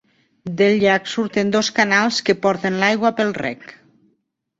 Del llac surten dos canals que porten l'aigua pel reg.